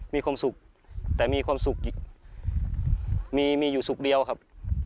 มีความสุขแต่มีความสุขมีอยู่สุขเดียวครับ